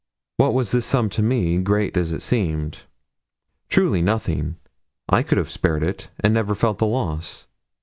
What was this sum to me, great as it seemed? Truly nothing. I could have spared it, and never felt the loss.